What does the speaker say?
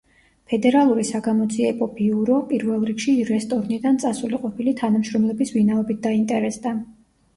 ფედერალური საგამოძიები ბიურო პირველ რიგში რესტორნიდან წასული ყოფილი თანამშრომლების ვინაობით დაინტერესდა.